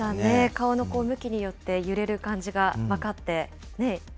顔の向きによって揺れる感じが分かってね、よ